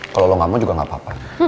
kalau lo gak mau juga gak apa apa